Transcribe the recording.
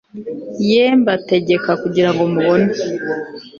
ye mbategeka kugira ngo mubone